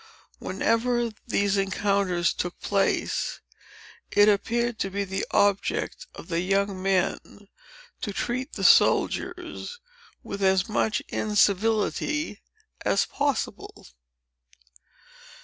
Whenever these encounters took place, it appeared to be the object of the young men to treat the soldiers with as much incivility as possible.